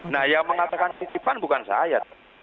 nah yang mengatakan titipan bukan saya